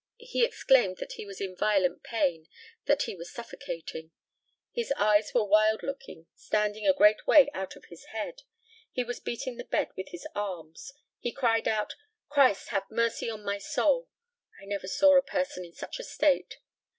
He exclaimed that he was in violent pain that he was suffocating. His eyes were wild looking, standing a great way out of his head. He was beating the bed with his arms. He cried out, "Christ, have mercy on my soul!" I never saw a person in such a state.